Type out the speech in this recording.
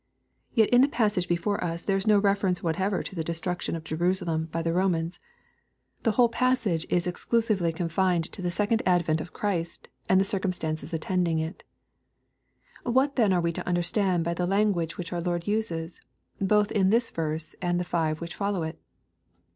Yet in the passage before us there is no reference whatever to the destruction of Jerusalem by the Ro LUKE, CHAP. XVII. 249 mans. The wiiole passage is exclusively confined to the second advent of Christ, and the circumstances attending it. What then are we to understand by the language which our Lord uses, both in this verse and the five which follow it?